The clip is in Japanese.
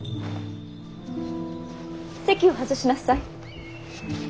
席を外しなさい。